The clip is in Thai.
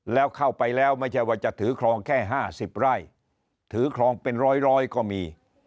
แล้วเข้าไปแล้วไม่ใช่ว่าจะถือครองแค่๕๐ไร่ถือครองเป็นร้อยก็มี